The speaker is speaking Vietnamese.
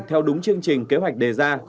theo đúng chương trình kế hoạch đề ra